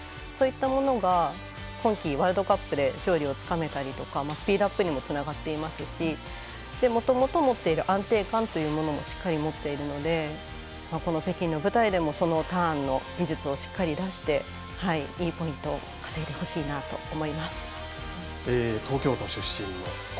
そういったものが今季、ワールドカップで勝利をつかめたりとかスピードアップにもつながっていますしもともと持っている安定感というものもしっかり持っているのでこの北京の舞台でもそのターンの技術をしっかり出していいポイントを稼いでほしいなと思います。